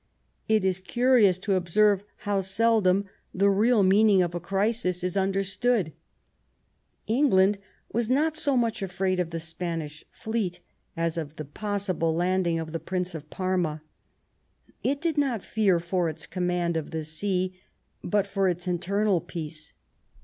It is curious to observe how seldom the real meaning of a crisis is under stood. England was not so much afraid of the Spanish fleet as of the possible landing of the Prince of Parma. It did not fear for its command of the sea, but for its internal peace.